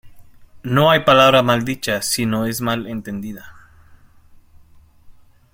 No hay palabra mal dicha si no es mal entendida.